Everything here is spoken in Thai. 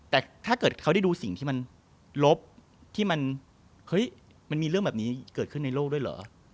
แต่ถ้าเกิดเขาได้ดูสิ่งที่มันลบที่มันเฮ้ยมันมีเรื่องแบบนี้เกิดขึ้นในโลกด้วยเหรอ